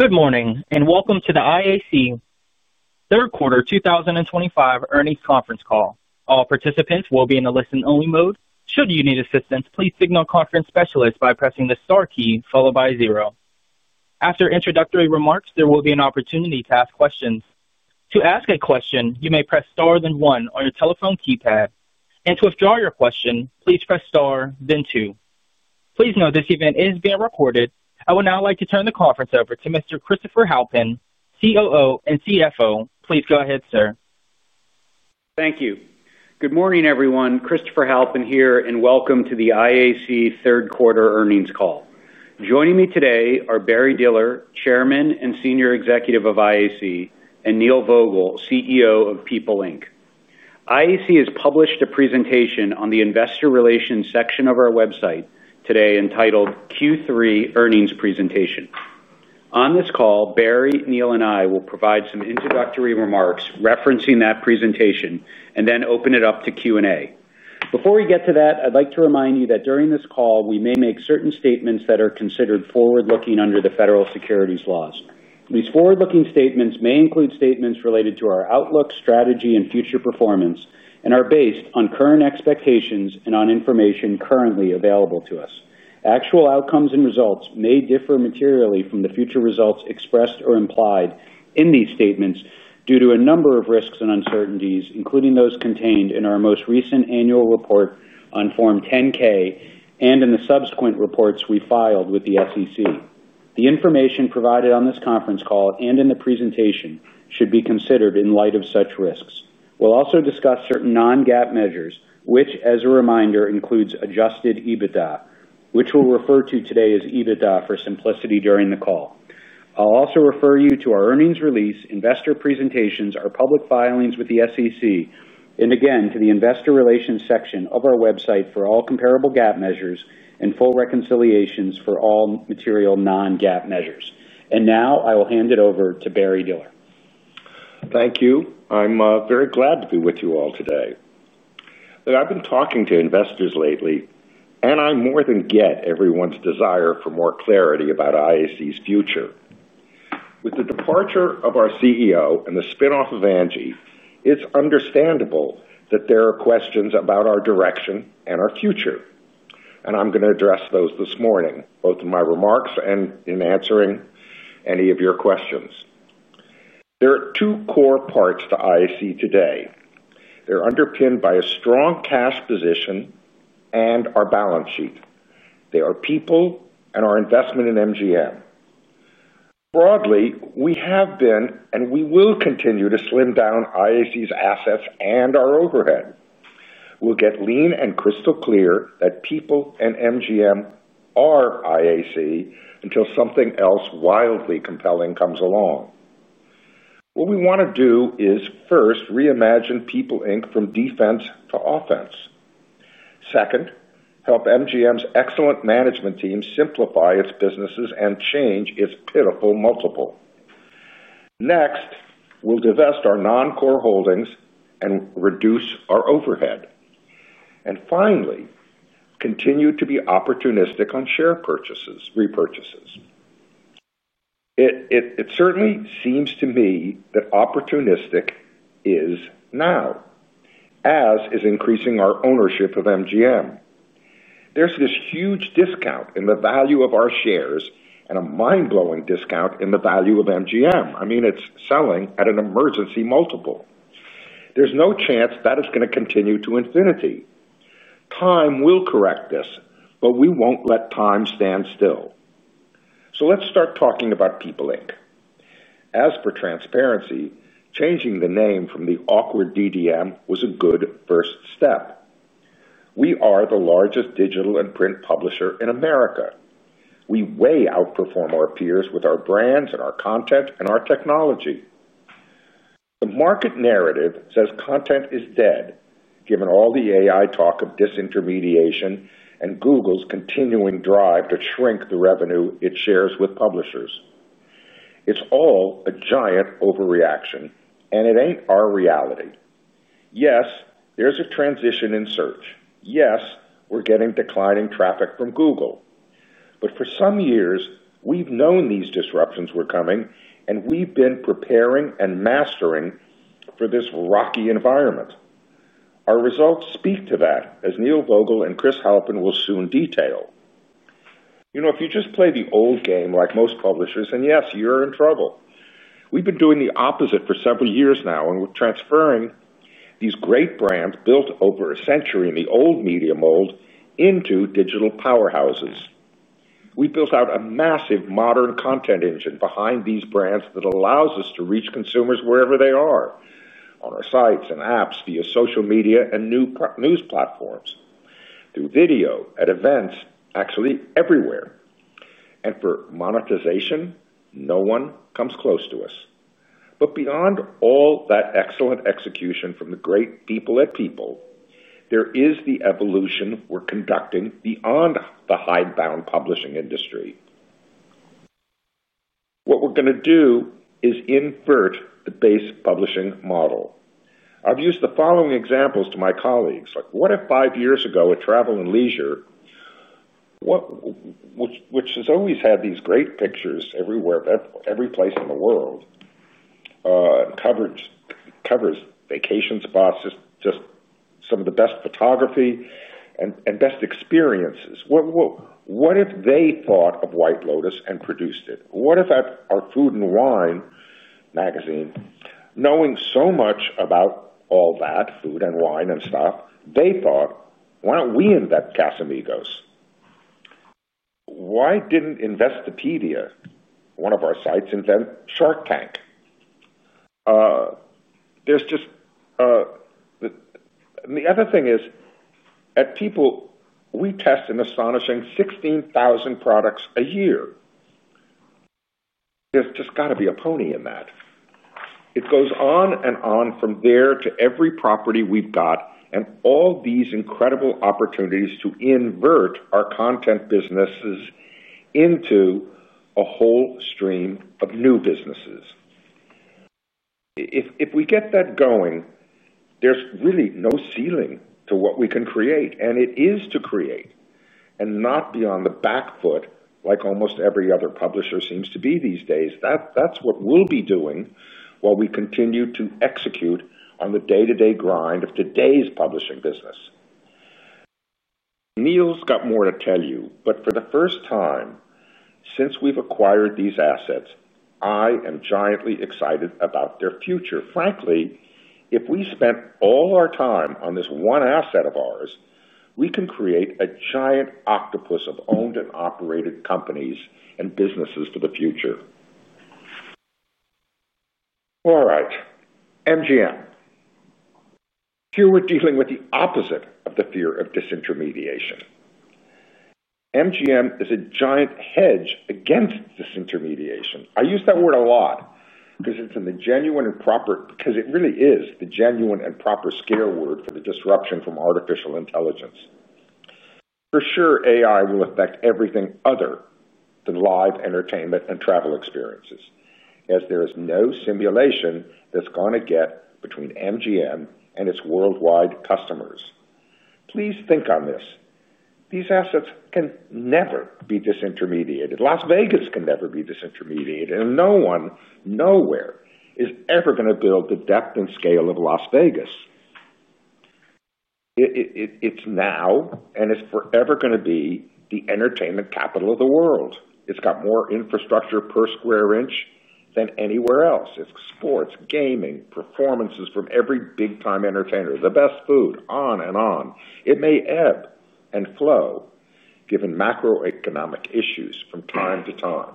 Good morning and welcome to the IAC third quarter 2025 earnings conference call. All participants will be in a listen-only mode. Should you need assistance, please signal conference specialists by pressing the star key followed by zero. After introductory remarks, there will be an opportunity to ask questions. To ask a question, you may press star then one on your telephone keypad, and to withdraw your question, please press star then two. Please note this event is being recorded. I would now like to turn the conference over to Mr. Christopher Halpin, COO and CFO. Please go ahead, sir. Thank you. Good morning, everyone. Christopher Halpin here, and welcome to the IAC third quarter earnings call. Joining me today are Barry Diller, Chairman and Senior Executive of IAC, and Neil Vogel, CEO of People Inc. IAC has published a presentation on the investor relations section of our website today entitled Q3 Earnings Presentation. On this call, Barry, Neil, and I will provide some introductory remarks referencing that presentation and then open it up to Q&A. Before we get to that, I'd like to remind you that during this call, we may make certain statements that are considered forward-looking under the federal securities laws. These forward-looking statements may include statements related to our outlook, strategy, and future performance, and are based on current expectations and on information currently available to us. Actual outcomes and results may differ materially from the future results expressed or implied in these statements due to a number of risks and uncertainties, including those contained in our most recent annual report on Form 10-K and in the subsequent reports we filed with the SEC. The information provided on this conference call and in the presentation should be considered in light of such risks. We'll also discuss certain non-GAAP measures, which, as a reminder, includes Adjusted EBITDA, which we'll refer to today as EBITDA for simplicity during the call. I'll also refer you to our earnings release, investor presentations, our public filings with the SEC, and again to the investor relations section of our website for all comparable GAAP measures and full reconciliations for all material non-GAAP measures. And now I will hand it over to Barry Diller. Thank you. I'm very glad to be with you all today. I've been talking to investors lately, and I more than get everyone's desire for more clarity about IAC's future. With the departure of our CEO and the spinoff of Angie, it's understandable that there are questions about our direction and our future. And I'm going to address those this morning, both in my remarks and in answering any of your questions. There are two core parts to IAC today. They're underpinned by a strong cash position and our balance sheet. They are People and our investment in MGM. Broadly, we have been and we will continue to slim down IAC's assets and our overhead. We'll get lean and crystal clear that People and MGM are IAC until something else wildly compelling comes along. What we want to do is first reimagine People Inc. from defense to offense. Second, help MGM's excellent management team simplify its businesses and change its pitiful multiple. Next, we'll divest our non-core holdings and reduce our overhead. And finally. Continue to be opportunistic on share repurchases. It certainly seems to me that opportunistic is now. As is increasing our ownership of MGM. There's this huge discount in the value of our shares and a mind-blowing discount in the value of MGM. I mean, it's selling at an emergency multiple. There's no chance that it's going to continue to infinity. Time will correct this, but we won't let time stand still. So let's start talking about People Inc. As per transparency, changing the name from the awkward DDM was a good first step. We are the largest digital and print publisher in America. We way outperform our peers with our brands and our content and our technology. The market narrative says content is dead, given all the AI talk of disintermediation and Google's continuing drive to shrink the revenue it shares with publishers. It's all a giant overreaction, and it ain't our reality. Yes, there's a transition in search. Yes, we're getting declining traffic from Google. But for some years, we've known these disruptions were coming, and we've been preparing and mastering for this rocky environment. Our results speak to that, as Neil Vogel and Chris Halpin will soon detail. If you just play the old game like most publishers, then yes, you're in trouble. We've been doing the opposite for several years now, and we're transferring these great brands built over a century in the old media mold into digital powerhouses. We built out a massive modern content engine behind these brands that allows us to reach consumers wherever they are, on our sites and apps via social media and news platforms, through video, at events, actually everywhere. And for monetization, no one comes close to us. But beyond all that excellent execution from the great people at People. There is the evolution we're conducting beyond the high-bound publishing industry. What we're going to do is invert the base publishing model. I've used the following examples to my colleagues. What if five years ago, at Travel and Leisure. Which has always had these great pictures everywhere, every place in the world. Covers vacation spots, just some of the best photography and best experiences. What if they thought of White Lotus and produced it? What if our Food & Wine magazine, knowing so much about all that, food and wine and stuff, they thought, "Why don't we invent Casamigos?" Why didn't Investopedia, one of our sites, invent Shark Tank? The other thing is. At People, we test an astonishing 16,000 products a year. There's just got to be a pony in that. It goes on and on from there to every property we've got and all these incredible opportunities to invert our content businesses into a whole stream of new businesses. If we get that going, there's really no ceiling to what we can create. And it is to create and not be on the back foot like almost every other publisher seems to be these days. That's what we'll be doing while we continue to execute on the day-to-day grind of today's publishing business. Neil's got more to tell you, but for the first time since we've acquired these assets, I am giantly excited about their future. Frankly, if we spent all our time on this one asset of ours, we can create a giant octopus of owned and operated companies and businesses for the future. All right. MGM. Here we're dealing with the opposite of the fear of disintermediation. MGM is a giant hedge against disintermediation. I use that word a lot because it's in the genuine and proper because it really is the genuine and proper scare word for the disruption from artificial intelligence. For sure, AI will affect everything other than live entertainment and travel experiences, as there is no simulation that's going to get between MGM and its worldwide customers. Please think on this. These assets can never be disintermediated. Las Vegas can never be disintermediated. And no one nowhere is ever going to build the depth and scale of Las Vegas. It's now, and it's forever going to be the entertainment capital of the world. It's got more infrastructure per square inch than anywhere else. It's sports, gaming, performances from every big-time entertainer, the best food, on and on. It may ebb and flow given macroeconomic issues from time to time.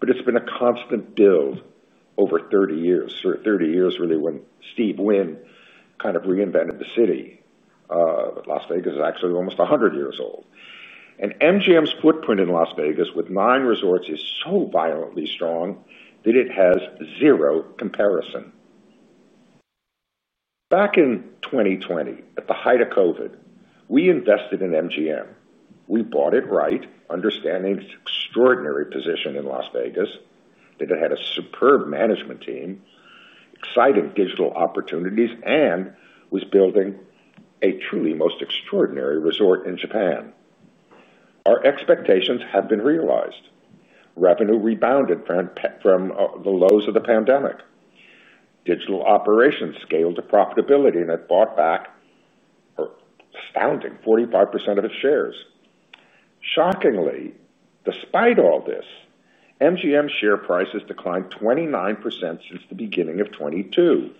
But it's been a constant build over 30 years, 30 years really when Steve Wynn kind of reinvented the city. Las Vegas is actually almost 100 years old. And MGM's footprint in Las Vegas with nine resorts is so violently strong that it has zero comparison. Back in 2020, at the height of COVID, we invested in MGM. We bought it right, understanding its extraordinary position in Las Vegas, that it had a superb management team, exciting digital opportunities, and was building a truly most extraordinary resort in Japan. Our expectations have been realized. Revenue rebounded from the lows of the pandemic. Digital operations scaled to profitability, and it bought back an astounding 45% of its shares. Shockingly, despite all this, MGM's share price declined 29% since the beginning of 2022.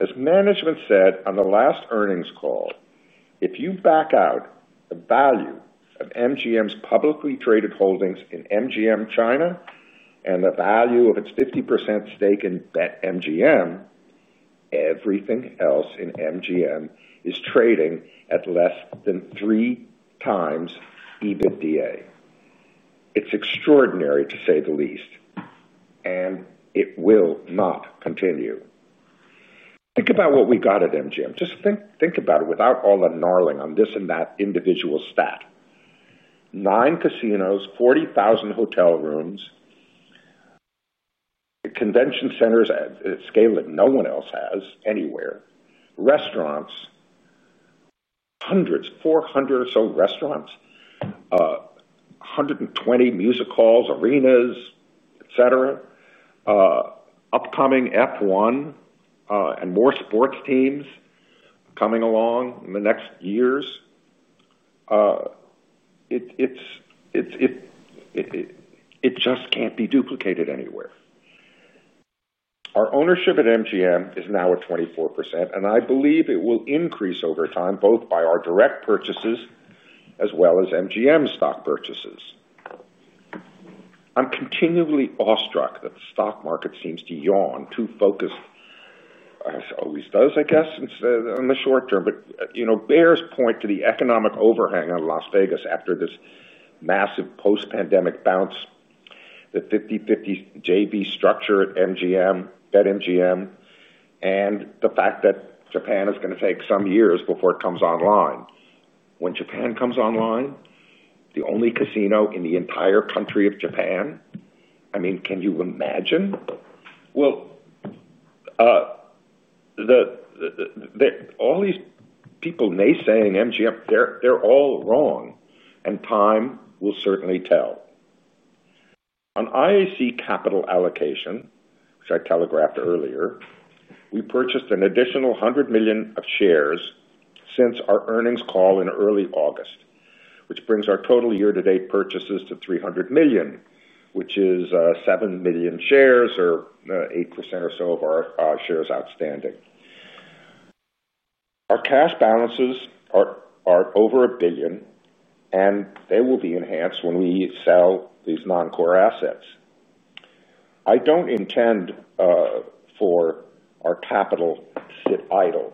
As management said on the last earnings call, "If you back out the value of MGM's publicly traded holdings in MGM China and the value of its 50% stake in BetMGM, everything else in MGM is trading at less than three times EBITDA." It's extraordinary, to say the least. And it will not continue. Think about what we got at MGM. Just think about it without all the gnawing on this and that individual stat. Nine casinos, 40,000 hotel rooms, convention centers at scale that no one else has anywhere, restaurants, hundreds, 400 or so restaurants, 120 music halls, arenas, etc. Upcoming F1. And more sports teams coming along in the next years. It just can't be duplicated anywhere. Our ownership at MGM is now at 24%, and I believe it will increase over time, both by our direct purchases as well as MGM's stock purchases. I'm continually awestruck that the stock market seems to yawn, too focused, as it always does, I guess, in the short term. But bears point to the economic overhang on Las Vegas after this massive post-pandemic bounce, the 50/50 JV structure at MGM BetMGM, and the fact that Japan is going to take some years before it comes online. When Japan comes online, the only casino in the entire country of Japan, I mean, can you imagine? Well, all these people naysaying MGM, they're all wrong, and time will certainly tell. On IAC capital allocation, which I telegraphed earlier, we purchased an additional $100 million of shares since our earnings call in early August, which brings our total year-to-date purchases to $300 million, which is 7 million shares or 8% or so of our shares outstanding. Our cash balances are over $1 billion, and they will be enhanced when we sell these non-core assets. I don't intend for our capital to sit idle,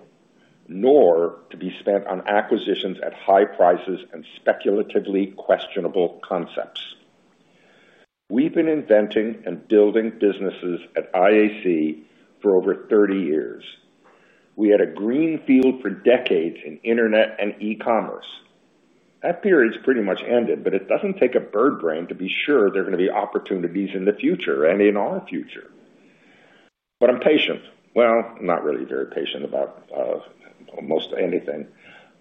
nor to be spent on acquisitions at high prices and speculatively questionable concepts. We've been inventing and building businesses at IAC for over 30 years. We had a greenfield for decades in internet and e-commerce. That period's pretty much ended, but it doesn't take a bird brain to be sure there are going to be opportunities in the future and in our future. But I'm patient. Well, not really very patient about almost anything.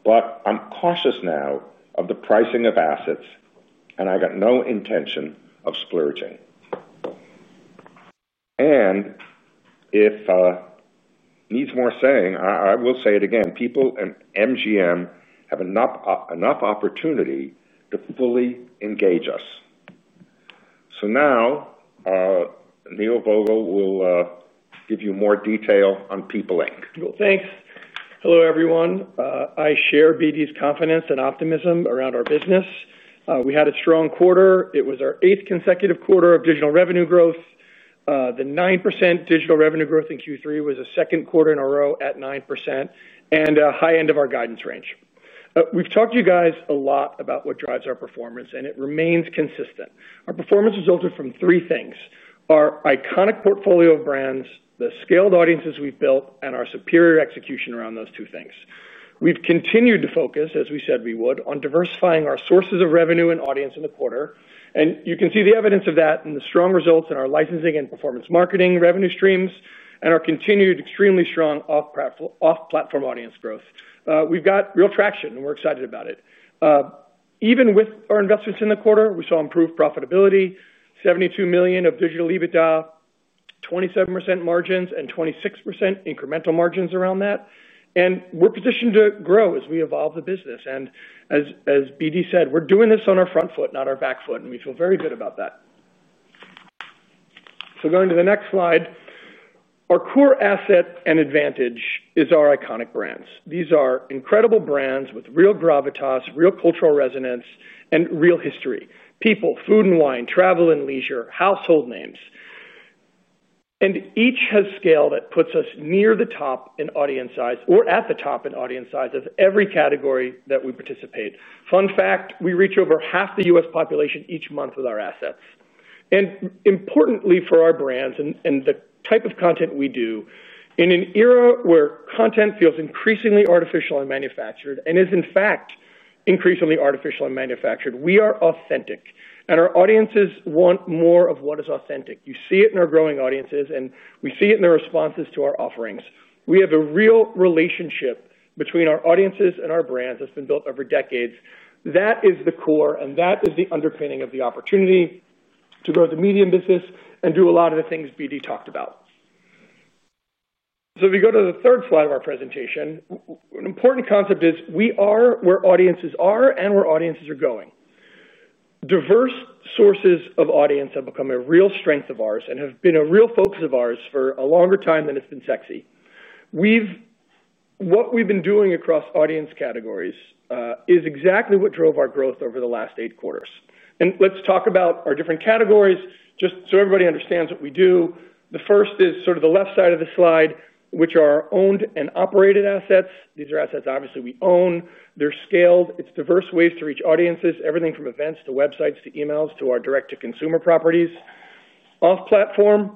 But I'm cautious now of the pricing of assets, and I got no intention of splurging. And if it needs more saying, I will say it again. People and MGM have enough opportunity to fully engage us. So now Neil Vogel will give you more detail on People Inc. Thanks. Hello, everyone. I share BD's confidence and optimism around our business. We had a strong quarter. It was our eighth consecutive quarter of digital revenue growth. The 9% digital revenue growth in Q3 was a second quarter in a row at 9% and a high end of our guidance range. We've talked to you guys a lot about what drives our performance, and it remains consistent. Our performance resulted from three things: our iconic portfolio of brands, the scaled audiences we've built, and our superior execution around those two things. We've continued to focus, as we said we would, on diversifying our sources of revenue and audience in the quarter. And you can see the evidence of that in the strong results in our licensing and performance marketing revenue streams and our continued extremely strong off-platform audience growth. We've got real traction, and we're excited about it. Even with our investments in the quarter, we saw improved profitability, $72 million of digital EBITDA, 27% margins, and 26% incremental margins around that. And we're positioned to grow as we evolve the business. And as BD said, we're doing this on our front foot, not our back foot, and we feel very good about that. So going to the next slide, our core asset and advantage is our iconic brands. These are incredible brands with real gravitas, real cultural resonance, and real history: People, Food and Wine, Travel and Leisure, household names. And each has scale that puts us near the top in audience size or at the top in audience size of every category that we participate. Fun fact, we reach over half the U.S. population each month with our assets. And importantly for our brands and the type of content we do, in an era where content feels increasingly artificial and manufactured and is, in fact, increasingly artificial and manufactured, we are authentic. And our audiences want more of what is authentic. You see it in our growing audiences, and we see it in the responses to our offerings. We have a real relationship between our audiences and our brands that's been built over decades. That is the core, and that is the underpinning of the opportunity to grow the media business and do a lot of the things BD talked about. So if we go to the third slide of our presentation, an important concept is we are where audiences are and where audiences are going. Diverse sources of audience have become a real strength of ours and have been a real focus of ours for a longer time than it's been sexy. What we've been doing across audience categories is exactly what drove our growth over the last eight quarters. And let's talk about our different categories just so everybody understands what we do. The first is sort of the left side of the slide, which are our owned and operated assets. These are assets obviously we own. They're scaled. It's diverse ways to reach audiences, everything from events to websites to emails to our direct-to-consumer properties. Off-platform,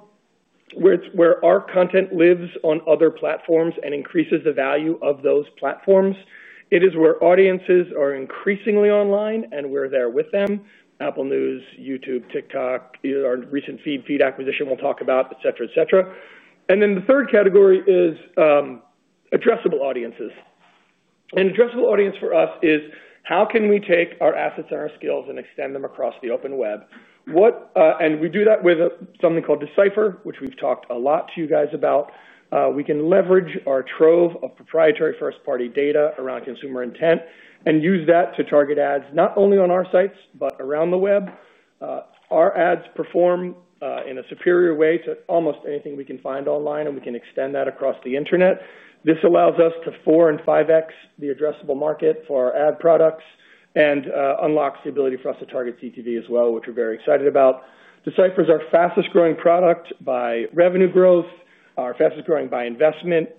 where our content lives on other platforms and increases the value of those platforms. It is where audiences are increasingly online and where they're with them: Apple News, YouTube, TikTok, our recent Feedfeed acquisition we'll talk about, etc., etc. And then the third category is addressable audiences. And addressable audience for us is how can we take our assets and our skills and extend them across the open web? And we do that with something called D/Cipher, which we've talked a lot to you guys about. We can leverage our trove of proprietary first-party data around consumer intent and use that to target ads not only on our sites but around the web. Our ads perform in a superior way to almost anything we can find online, and we can extend that across the internet. This allows us to 4x and 5x the addressable market for our ad products and unlocks the ability for us to target CTV as well, which we're very excited about. D/Cipher is our fastest-growing product by revenue growth, our fastest-growing by investment.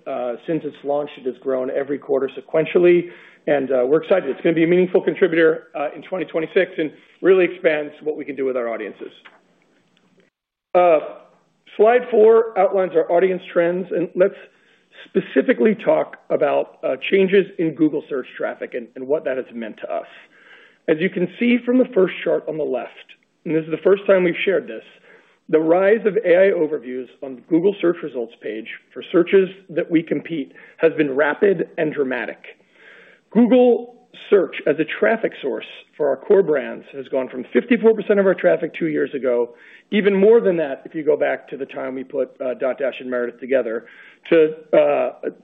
Since its launch, it has grown every quarter sequentially. And we're excited. It's going to be a meaningful contributor in 2026 and really expands what we can do with our audiences. Slide four outlines our audience trends, and let's specifically talk about changes in Google Search traffic and what that has meant to us. As you can see from the first chart on the left, and this is the first time we've shared this, the rise of AI Overviews on the Google Search results page for searches that we compete has been rapid and dramatic. Google Search, as a traffic source for our core brands, has gone from 54% of our traffic two years ago, even more than that if you go back to the time we put Dotdash and Meredith together, to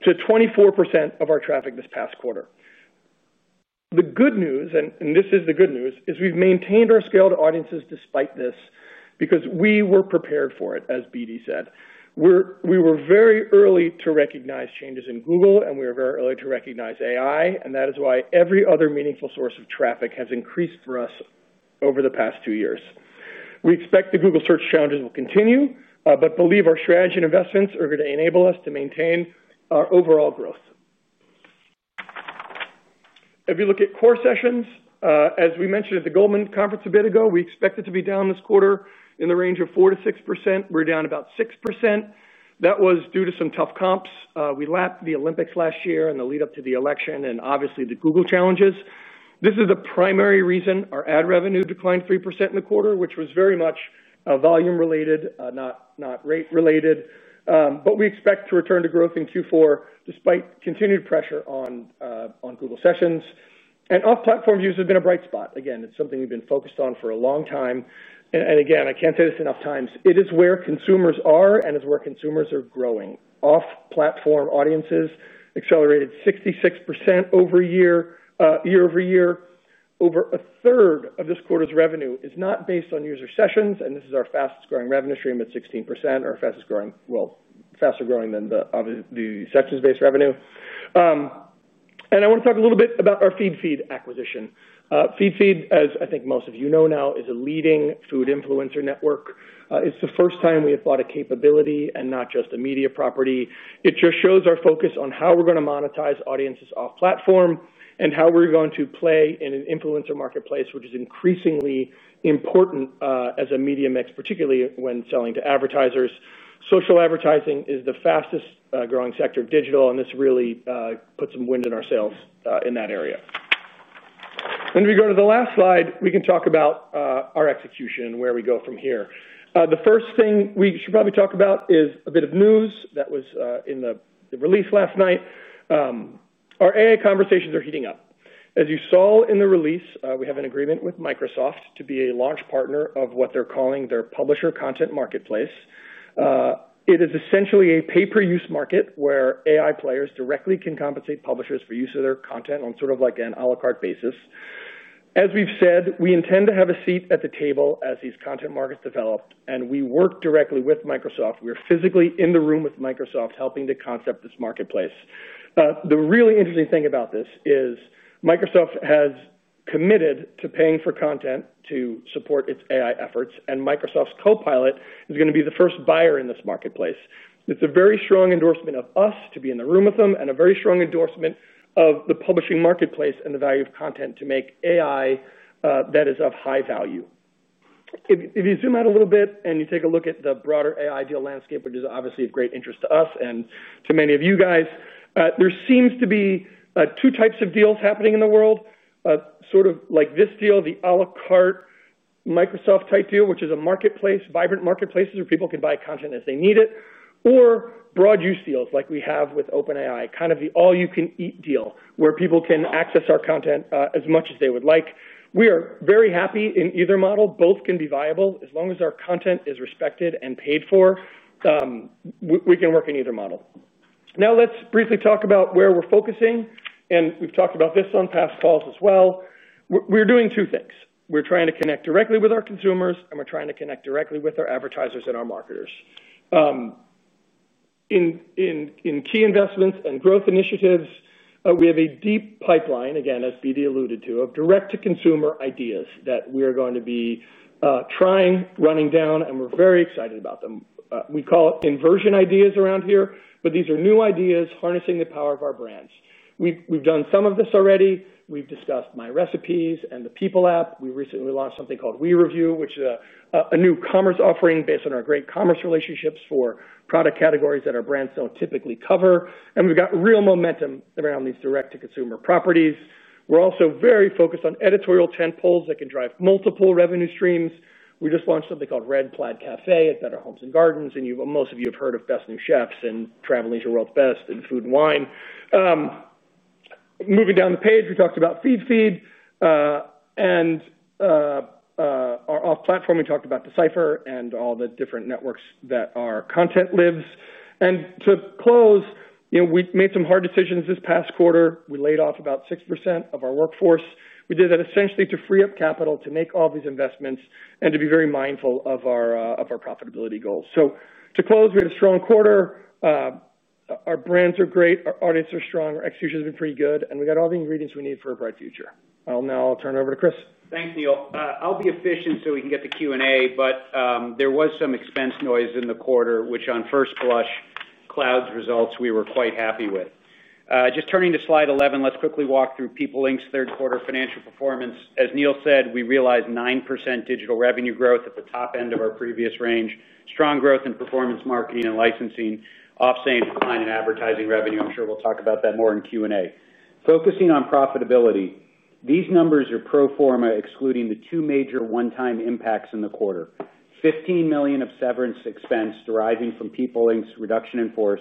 24% of our traffic this past quarter. The good news, and this is the good news, is we've maintained our scaled audiences despite this because we were prepared for it, as BD said. We were very early to recognize changes in Google, and we were very early to recognize AI, and that is why every other meaningful source of traffic has increased for us over the past two years. We expect the Google Search challenges will continue, but believe our strategy and investments are going to enable us to maintain our overall growth. If you look at core sessions, as we mentioned at the Goldman conference a bit ago, we expect it to be down this quarter in the range of 4%-6%. We're down about 6%. That was due to some tough comps. We lapped the Olympics last year and the lead-up to the election and obviously the Google challenges. This is the primary reason our ad revenue declined 3% in the quarter, which was very much volume-related, not rate-related. But we expect to return to growth in Q4 despite continued pressure on Google sessions. And off-platform views have been a bright spot. Again, it's something we've been focused on for a long time, and again, I can't say this enough times. It is where consumers are and is where consumers are growing. Off-platform audiences accelerated 66% over a year. Year-over-year. Over a third of this quarter's revenue is not based on user sessions, and this is our fastest-growing revenue stream at 16%, or our fastest-growing, well, faster-growing than the sections-based revenue, and I want to talk a little bit about our Feedfeed acquisition. Feedfeed, as I think most of you know now, is a leading food influencer network. It's the first time we have bought a capability and not just a media property. It just shows our focus on how we're going to monetize audiences off-platform and how we're going to play in an influencer marketplace, which is increasingly important as a media mix, particularly when selling to advertisers. Social advertising is the fastest-growing sector of digital, and this really puts some wind in our sails in that area, and if we go to the last slide, we can talk about our execution and where we go from here. The first thing we should probably talk about is a bit of news that was in the release last night. Our AI conversations are heating up. As you saw in the release, we have an agreement with Microsoft to be a large partner of what they're calling their publisher content marketplace. It is essentially a pay-per-use market where AI players directly can compensate publishers for use of their content on sort of like an à la carte basis. As we've said, we intend to have a seat at the table as these content markets develop, and we work directly with Microsoft. We're physically in the room with Microsoft helping to concept this marketplace. The really interesting thing about this is, Microsoft has committed to paying for content to support its AI efforts, and Microsoft's Copilot is going to be the first buyer in this marketplace. It's a very strong endorsement of us to be in the room with them and a very strong endorsement of the publishing marketplace and the value of content to make AI that is of high value. If you zoom out a little bit and you take a look at the broader AI deal landscape, which is obviously of great interest to us and to many of you guys, there seems to be two types of deals happening in the world. Sort of like this deal, the à la carte Microsoft-type deal, which is a marketplace, vibrant marketplaces where people can buy content as they need it, or broad-use deals like we have with OpenAI, kind of the all-you-can-eat deal where people can access our content as much as they would like. We are very happy in either model. Both can be viable as long as our content is respected and paid for. We can work in either model. Now, let's briefly talk about where we're focusing, and we've talked about this on past calls as well. We're doing two things. We're trying to connect directly with our consumers, and we're trying to connect directly with our advertisers and our marketers. In key investments and growth initiatives, we have a deep pipeline, again, as BD alluded to, of direct-to-consumer ideas that we are going to be trying, running down, and we're very excited about them. We call it inversion ideas around here, but these are new ideas harnessing the power of our brands. We've done some of this already. We've discussed My Recipes and the People App. We recently launched something called We Review, which is a new commerce offering based on our great commerce relationships for product categories that our brands don't typically cover. And we've got real momentum around these direct-to-consumer properties. We're also very focused on editorial tentpoles that can drive multiple revenue streams. We just launched something called Red Plaid Cafe at Better Homes and Gardens, and most of you have heard of Best New Chefs and Traveling to World's Best and Food and Wine. Moving down the page, we talked about Feedfeed. And our off-platform, we talked about D/Cipher and all the different networks that our content lives. And to close, we made some hard decisions this past quarter. We laid off about 6% of our workforce. We did that essentially to free up capital to make all these investments and to be very mindful of our profitability goals. So to close, we had a strong quarter. Our brands are great. Our audience are strong. Our execution has been pretty good. And we got all the ingredients we need for a bright future. I'll now turn it over to Chris. Thanks, Neil. I'll be efficient so we can get the Q&A, but there was some expense noise in the quarter, which on first blush, clouds results, we were quite happy with. Just turning to slide 11, let's quickly walk through People Inc.'s third-quarter financial performance. As Neil said, we realized 9% digital revenue growth at the top end of our previous range, strong growth in performance marketing and licensing, off-site and advertising revenue. I'm sure we'll talk about that more in Q&A. Focusing on profitability, these numbers are pro forma, excluding the two major one-time impacts in the quarter: $15 million of severance expense deriving from People Inc.'s reduction in force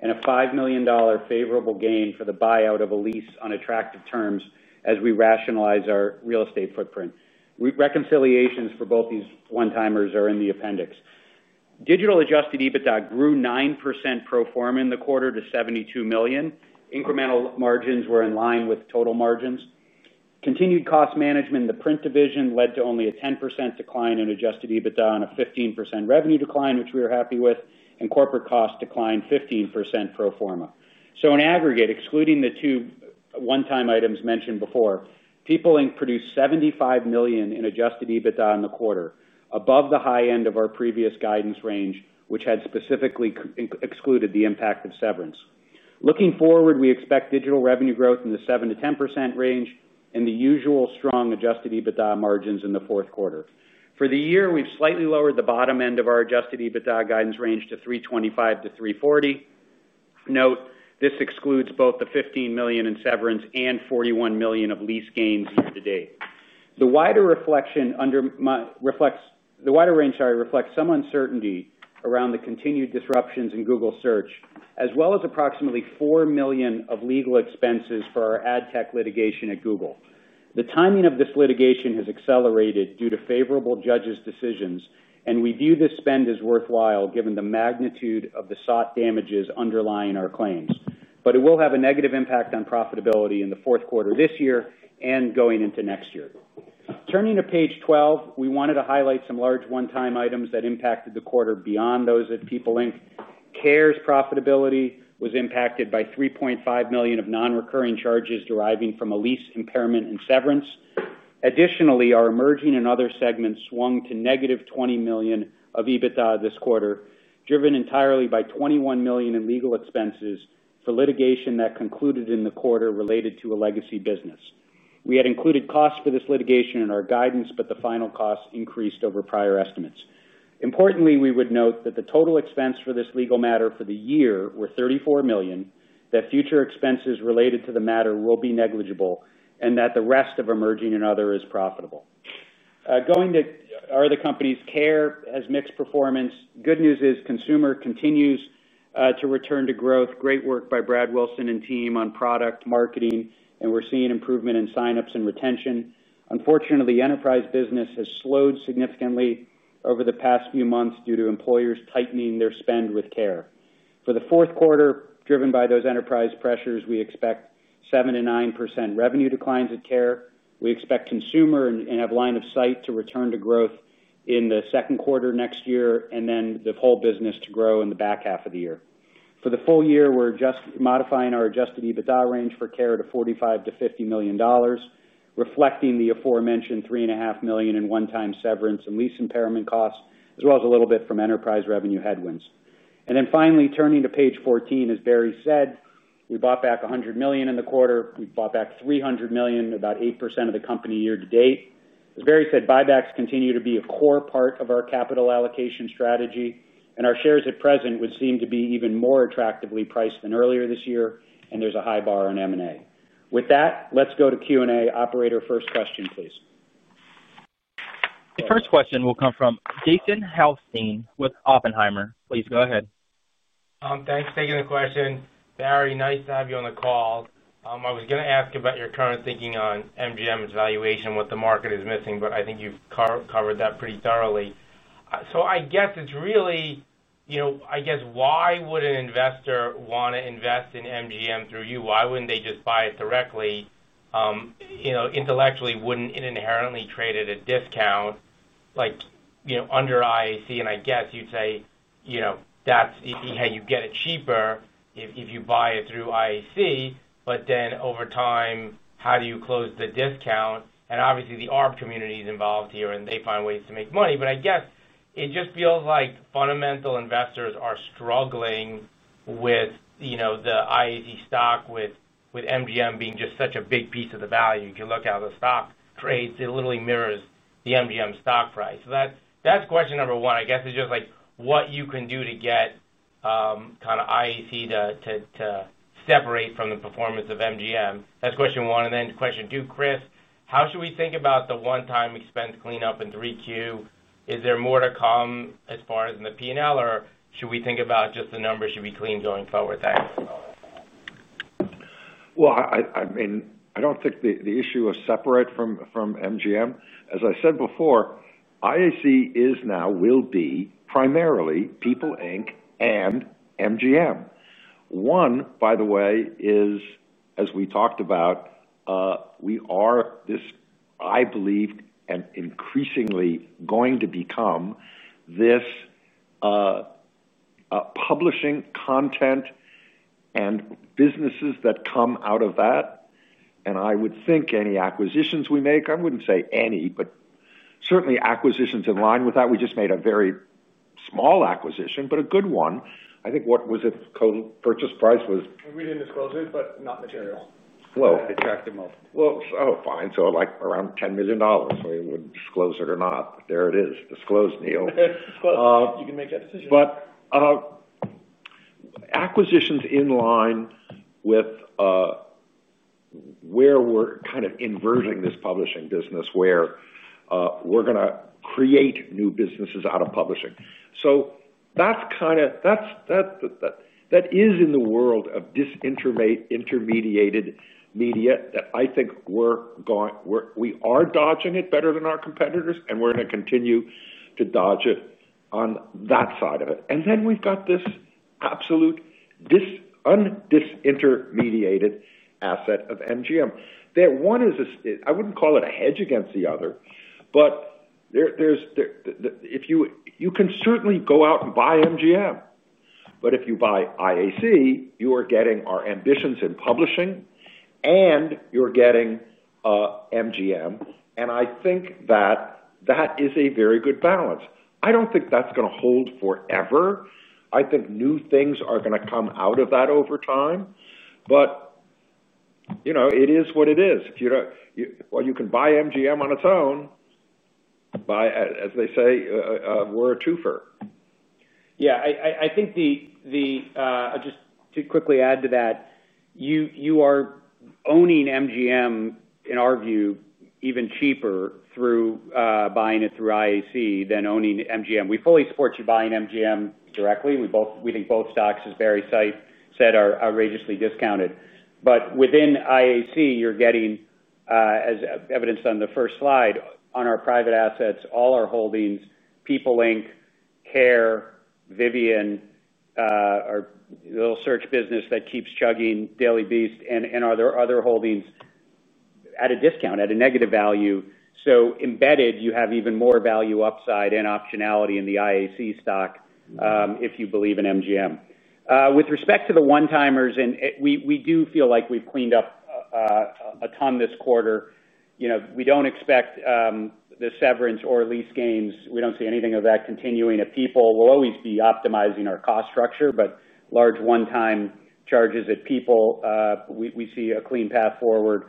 and a $5 million favorable gain for the buyout of a lease on attractive terms as we rationalize our real estate footprint. Reconciliations for both these one-timers are in the appendix. Digital-adjusted EBITDA grew 9% pro forma in the quarter to $72 million. Incremental margins were in line with total margins. Continued cost management in the print division led to only a 10% decline in adjusted EBITDA and a 15% revenue decline, which we are happy with, and corporate costs declined 15% pro forma. So in aggregate, excluding the two one-time items mentioned before, People Inc. produced $75 million in adjusted EBITDA in the quarter, above the high end of our previous guidance range, which had specifically excluded the impact of severance. Looking forward, we expect digital revenue growth in the 7%-10% range and the usual strong adjusted EBITDA margins in the fourth quarter. For the year, we've slightly lowered the bottom end of our adjusted EBITDA guidance range to $325 million-$340 million. Note, this excludes both the $15 million in severance and $41 million of lease gains year to date. The wider range reflects some uncertainty around the continued disruptions in Google Search, as well as approximately $4 million of legal expenses for our ad tech litigation at Google. The timing of this litigation has accelerated due to favorable judges' decisions, and we view this spend as worthwhile given the magnitude of the sought damages underlying our claims. But it will have a negative impact on profitability in the fourth quarter this year and going into next year. Turning to page 12, we wanted to highlight some large one-time items that impacted the quarter beyond those at People Inc. Care's profitability was impacted by $3.5 million of non-recurring charges deriving from a lease impairment and severance. Additionally, our emerging and other segments swung to negative $20 million of EBITDA this quarter, driven entirely by $21 million in legal expenses for litigation that concluded in the quarter related to a legacy business. We had included costs for this litigation in our guidance, but the final costs increased over prior estimates. Importantly, we would note that the total expense for this legal matter for the year was $34 million, that future expenses related to the matter will be negligible, and that the rest of emerging and other is profitable. Going to our other companies, Care has mixed performance. Good news is consumer continues to return to growth. Great work by Brad Wilson and team on product marketing, and we're seeing improvement in sign-ups and retention. Unfortunately, the enterprise business has slowed significantly over the past few months due to employers tightening their spend with Care. For the fourth quarter, driven by those enterprise pressures, we expect 7%-9% revenue declines at Care. We expect consumer and have line of sight to return to growth in the second quarter next year and then the whole business to grow in the back half of the year. For the full year, we're just modifying our adjusted EBITDA range for Care to $45-$50 million, reflecting the aforementioned $3.5 million in one-time severance and lease impairment costs, as well as a little bit from enterprise revenue headwinds. And then finally, turning to page 14, as Barry said, we bought back $100 million in the quarter. We bought back $300 million, about 8% of the company year to date. As Barry said, buybacks continue to be a core part of our capital allocation strategy, and our shares at present would seem to be even more attractively priced than earlier this year, and there's a high bar on M&A. With that, let's go to Q&A. Operator, first question, please. The first question will come from Jason Helfstein with Oppenheimer. Please go ahead. Thanks for taking the question, Barry. Nice to have you on the call. I was going to ask about your current thinking on MGM's valuation, what the market is missing, but I think you've covered that pretty thoroughly. So I guess it's really, why would an investor want to invest in MGM through you? Why wouldn't they just buy it directly? Intellectually, wouldn't it inherently trade at a discount under IAC, and I guess you'd say you get it cheaper if you buy it through IAC, but then over time, how do you close the discount? And obviously, the arb community is involved here, and they find ways to make money, but I guess it just feels like fundamental investors are struggling with the IAC stock, with MGM being just such a big piece of the value. You can look at how the stock trades. It literally mirrors the MGM stock price. So that's question number one. I guess it's just like what you can do to get kind of IAC to separate from the performance of MGM. That's question one. And then question two, Chris, how should we think about the one-time expense cleanup in 3Q? Is there more to come as far as in the P&L, or should we think about just the numbers should be clean going forward? Thanks. Well, I mean, I don't think the issue is separate from MGM. As I said before, IAC is now, will be primarily People Inc. and MGM. One, by the way, is, as we talked about, we are, I believe, and increasingly going to become this publishing content and businesses that come out of that. And I would think any acquisitions we make, I wouldn't say any, but certainly acquisitions in line with that. We just made a very small acquisition, but a good one. I think what was its total purchase price was. We didn't disclose it, but not material. Well, it's fine. So around $10 million, whether we would disclose it or not. There it is. Disclose, Neil. Disclose. You can make that decision. But acquisitions in line with where we're kind of inversing this publishing business, where we're going to create new businesses out of publishing. So that's kind of that is in the world of disintermediated media that I think we're dodging it better than our competitors, and we're going to continue to dodge it on that side of it. And then we've got this absolute disintermediated asset of MGM. One is, I wouldn't call it a hedge against the other, but you can certainly go out and buy MGM. But if you buy IAC, you are getting our ambitions in publishing, and you're getting MGM. And I think that that is a very good balance. I don't think that's going to hold forever. I think new things are going to come out of that over time. But it is what it is. Well, you can buy MGM on its own. As they say. We're a twofer. Yeah. I think just to quickly add to that. You are owning MGM, in our view, even cheaper through buying it through IAC than owning MGM. We fully support you buying MGM directly. We think both stocks, as Barry said, are outrageously discounted. But within IAC, you're getting as evidenced on the first slide, on our private assets, all our holdings, People Inc., Care, Vivian, or a little search business that keeps chugging, Daily Beast, and other holdings at a discount, at a negative value. So embedded, you have even more value upside and optionality in the IAC stock if you believe in MGM. With respect to the one-timers, we do feel like we've cleaned up a ton this quarter. We don't expect the severance or lease gains. We don't see anything of that continuing at People. We'll always be optimizing our cost structure, but large one-time charges at People. We see a clean path forward.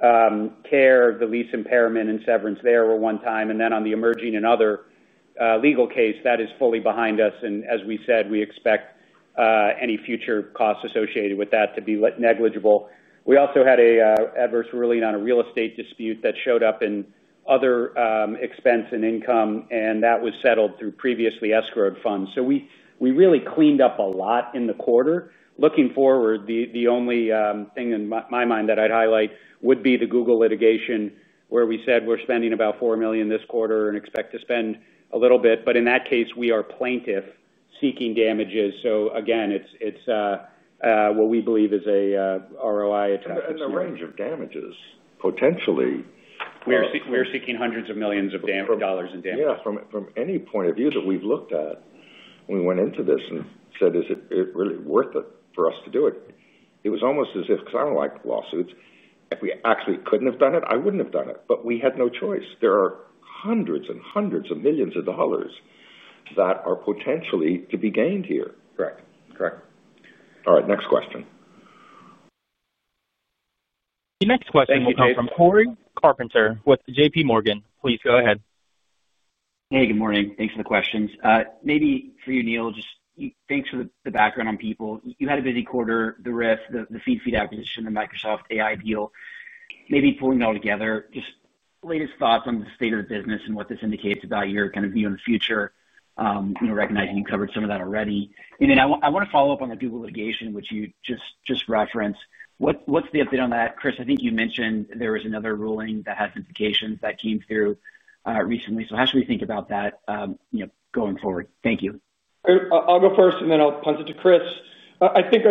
Care, the lease impairment and severance there were one time. And then on the emerging and other legal case, that is fully behind us. And as we said, we expect any future costs associated with that to be negligible. We also had an adverse ruling on a real estate dispute that showed up in other expense and income, and that was settled through previously escrowed funds. So we really cleaned up a lot in the quarter. Looking forward, the only thing in my mind that I'd highlight would be the Google litigation, where we said we're spending about $4 million this quarter and expect to spend a little bit. But in that case, we are plaintiff seeking damages. So again, it's what we believe is a ROI attractive spend. And the range of damages, potentially. We're seeking hundreds of millions of dollars in damages. Yeah. From any point of view that we've looked at, we went into this and said, "Is it really worth it for us to do it?" It was almost as if, because I don't like lawsuits, if we actually couldn't have done it, I wouldn't have done it. But we had no choice. There are hundreds and hundreds of millions of dollars that are potentially to be gained here. Correct. Correct. All right. Next question. The next question will come from Cory Carpenter with J.P. Morgan. Please go ahead. Hey. Good morning. Thanks for the questions. Maybe for you, Neil, just thanks for the background on People. You had a busy quarter, the RIF, the Feedfeed acquisition, the Microsoft AI deal. Maybe pulling it all together, just latest thoughts on the state of the business and what this indicates about your kind of view on the future. Recognizing you covered some of that already. Then I want to follow up on the Google litigation, which you just referenced. What's the update on that? Chris, I think you mentioned there was another ruling that has implications that came through recently. So how should we think about that going forward? Thank you. I'll go first, and then I'll punt it to Chris. I think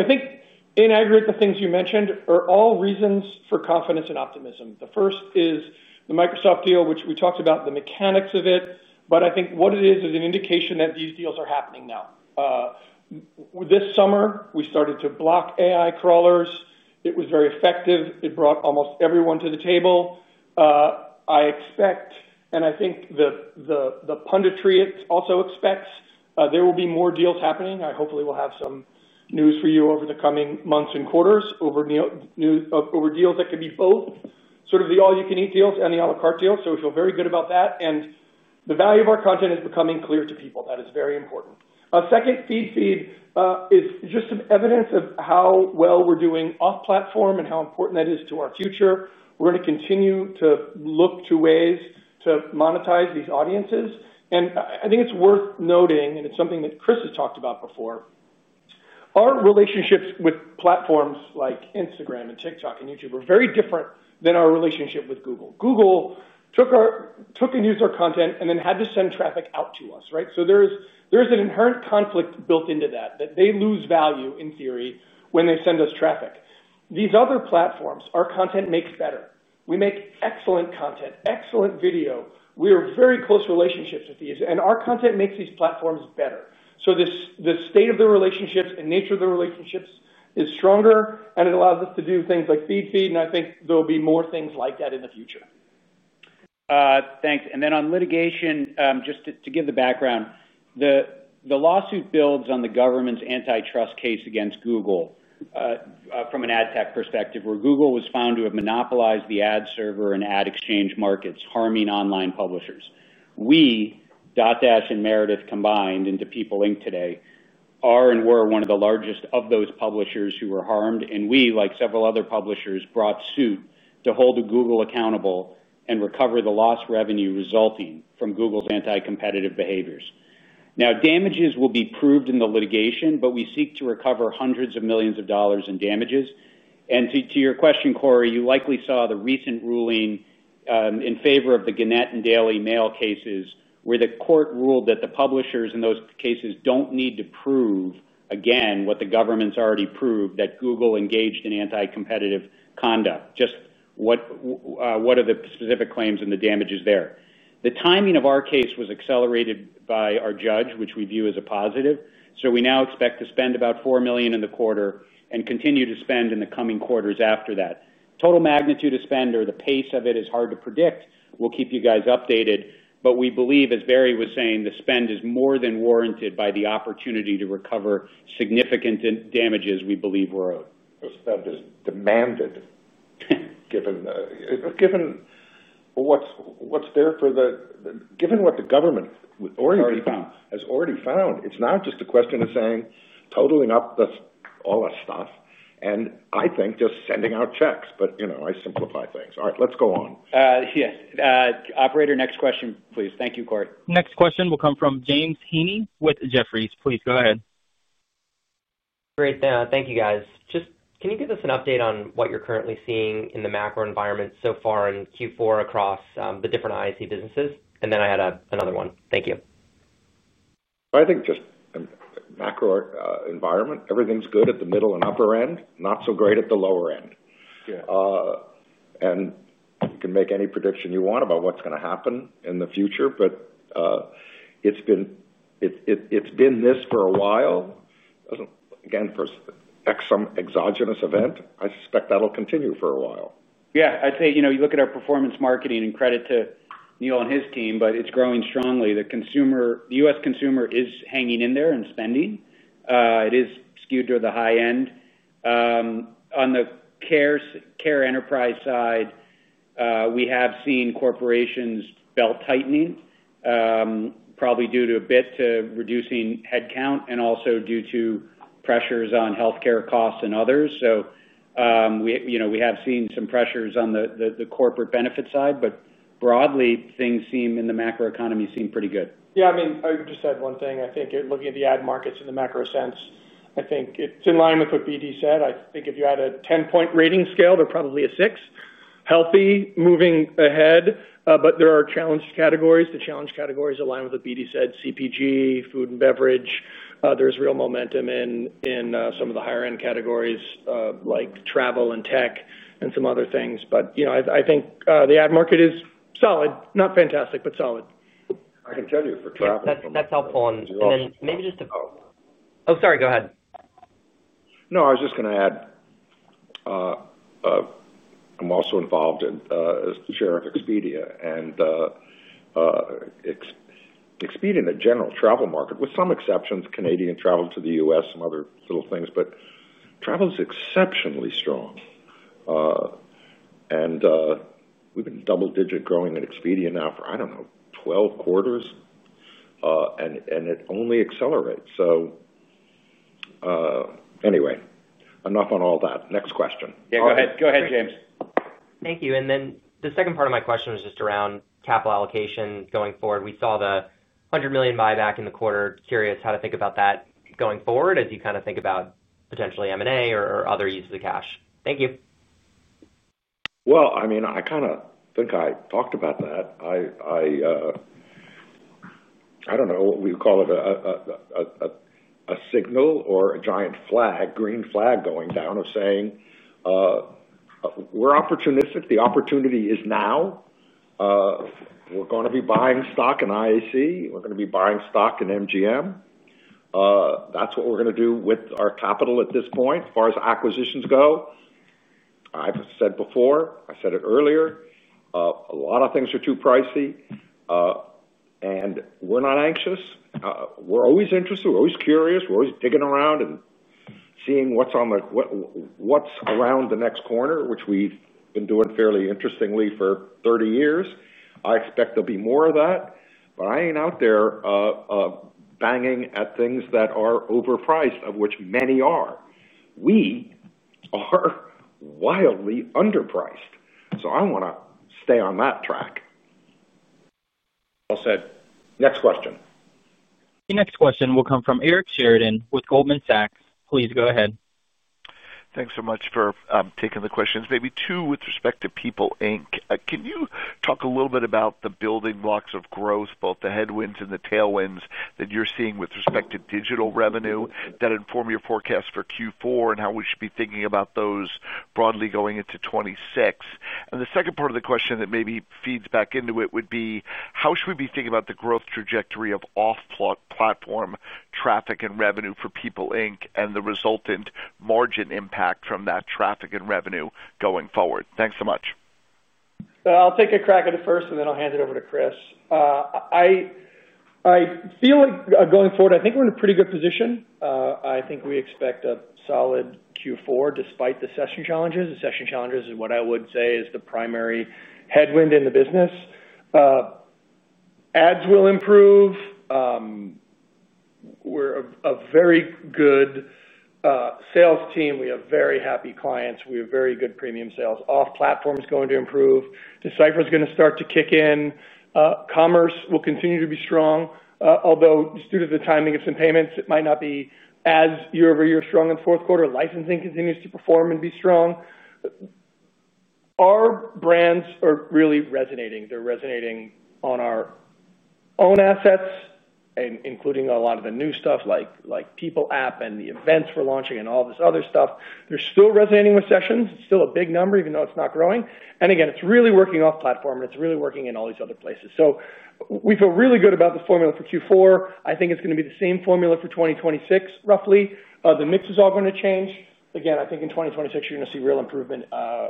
in aggregate, the things you mentioned are all reasons for confidence and optimism. The first is the Microsoft deal, which we talked about the mechanics of it, but I think what it is is an indication that these deals are happening now. This summer, we started to block AI crawlers. It was very effective. It brought almost everyone to the table. I expect, and I think the punditry also expects there will be more deals happening. I hopefully will have some news for you over the coming months and quarters over deals that can be both sort of the all-you-can-eat deals and the à la carte deals. So we feel very good about that. The value of our content is becoming clear to people. That is very important. A second, Feedfeed is just some evidence of how well we're doing off-platform and how important that is to our future. We're going to continue to look to ways to monetize these audiences. I think it's worth noting, and it's something that Chris has talked about before. Our relationships with platforms like Instagram and TikTok and YouTube are very different than our relationship with Google. Google took and used our content and then had to send traffic out to us, right? So there's an inherent conflict built into that, that they lose value, in theory, when they send us traffic. These other platforms, our content makes better. We make excellent content, excellent video. We are very close relationships with these, and our content makes these platforms better. The state of the relationships and nature of the relationships is stronger, and it allows us to do things like Feedfeed, and I think there will be more things like that in the future. Thanks. Then on litigation, just to give the background. The lawsuit builds on the government's antitrust case against Google. From an ad tech perspective, where Google was found to have monopolized the ad server and ad exchange markets, harming online publishers. We, Dotdash and Meredith combined into People Inc. today, are and were one of the largest of those publishers who were harmed, and we, like several other publishers, brought suit to hold Google accountable and recover the lost revenue resulting from Google's anti-competitive behaviors. Now, damages will be proved in the litigation, but we seek to recover hundreds of millions of dollars in damages. To your question, Corey, you likely saw the recent ruling. In favor of the Gannett and Daily Mail cases, where the court ruled that the publishers in those cases don't need to prove again what the government's already proved, that Google engaged in anti-competitive conduct. Just what are the specific claims and the damages there? The timing of our case was accelerated by our judge, which we view as a positive. So we now expect to spend about $4 million in the quarter and continue to spend in the coming quarters after that. Total magnitude of spend or the pace of it is hard to predict. We'll keep you guys updated, but we believe, as Barry was saying, the spend is more than warranted by the opportunity to recover significant damages we believe were owed. The spend is demanded given what the government has already found. It's not just a question of saying totaling up all our stuff and I think just sending out checks, but I simplify things. All right. Let's go on. Yes. Operator, next question, please. Thank you, Corey. Next question will come from James Heaney with Jefferies. Please go ahead. Great. Thank you, guys. Just can you give us an update on what you're currently seeing in the macro environment so far in Q4 across the different IAC businesses? And then I had another one. Thank you. I think just macro environment, everything's good at the middle and upper end, not so great at the lower end. And you can make any prediction you want about what's going to happen in the future, but it's been this for a while. Again, for some exogenous event, I suspect that'll continue for a while. Yeah. I'd say you look at our performance marketing and credit to Neil and his team, but it's growing strongly. The U.S. consumer is hanging in there and spending. It is skewed toward the high end. On the care enterprise side, we have seen corporations' belt tightening, probably due to a bit to reducing headcount and also due to pressures on healthcare costs and others. So we have seen some pressures on the corporate benefit side, but broadly, things seem in the macro economy seem pretty good. Yeah. I mean, I would just add one thing. I think looking at the ad markets in the macro sense, I think it's in line with what BD said. I think if you add a 10-point rating scale, they're probably a 6. Healthy, moving ahead, but there are challenged categories. The challenged categories align with what BD said, CPG, food and beverage. There's real momentum in some of the higher-end categories like travel and tech and some other things. But I think the ad market is solid. Not fantastic, but solid. I can tell you for travel. That's helpful. And then maybe just a, oh, sorry. Go ahead. No, I was just going to add. I'm also involved as the chair of Expedia. And. Expedia and the general travel market, with some exceptions, Canadian travel to the U.S., some other little things, but travel is exceptionally strong. And we've been double-digit growing at Expedia now for, I don't know, 12 quarters. And it only accelerates. So anyway, enough on all that. Next question. Yeah. Go ahead. Go ahead, James. Thank you. And then the second part of my question was just around capital allocation going forward. We saw the $100 million buyback in the quarter. Curious how to think about that going forward as you kind of think about potentially M&A or other uses of cash. Thank you. Well, I mean, I kind of think I talked about that. I don't know what we would call it. A signal or a giant flag, green flag going down of saying. "We're opportunistic. The opportunity is now. We're going to be buying stock in IAC. We're going to be buying stock in MGM. That's what we're going to do with our capital at this point as far as acquisitions go." I've said before, I said it earlier. A lot of things are too pricey. And we're not anxious. We're always interested. We're always curious. We're always digging around and seeing what's around the next corner, which we've been doing fairly interestingly for 30 years. I expect there'll be more of that, but I ain't out there. Banging at things that are overpriced, of which many are. We. Are. Wildly underpriced. So I want to stay on that track. Well said. Next question. The next question will come from Eric Sheridan with Goldman Sachs. Please go ahead. Thanks so much for taking the questions. Maybe two with respect to People Inc. Can you talk a little bit about the building blocks of growth, both the headwinds and the tailwinds that you're seeing with respect to digital revenue that inform your forecast for Q4 and how we should be thinking about those broadly going into 2026? And the second part of the question that maybe feeds back into it would be, how should we be thinking about the growth trajectory of off-platform traffic and revenue for People Inc. and the resultant margin impact from that traffic and revenue going forward? Thanks so much. I'll take a crack at it first, and then I'll hand it over to Chris. I feel like going forward, I think we're in a pretty good position. I think we expect a solid Q4 despite the session challenges. The session challenges is what I would say is the primary headwind in the business. Ads will improve. We're a very good sales team. We have very happy clients. We have very good premium sales. Off-platform is going to improve. Decipher is going to start to kick in. Commerce will continue to be strong. Although due to the timing of some payments, it might not be as year-over-year strong in the fourth quarter. Licensing continues to perform and be strong. Our brands are really resonating. They're resonating on our own assets, including a lot of the new stuff like People app and the events we're launching and all this other stuff. They're still resonating with sessions. It's still a big number, even though it's not growing. And again, it's really working off-platform, and it's really working in all these other places. So we feel really good about the formula for Q4. I think it's going to be the same formula for 2026, roughly. The mix is all going to change. Again, I think in 2026, you're going to see real improvement,